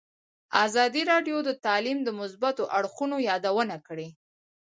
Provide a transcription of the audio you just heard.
ازادي راډیو د تعلیم د مثبتو اړخونو یادونه کړې.